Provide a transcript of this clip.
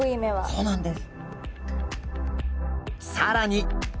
そうなんです。